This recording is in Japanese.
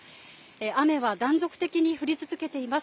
雨は断続的に降り続けています。